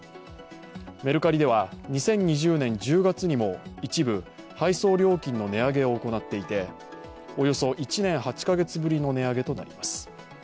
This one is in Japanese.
メルカリでは、２０２０年１０月にも一部配送料金の値上げを行っていて、およそ１年８カ月ぶりの値上げとなります。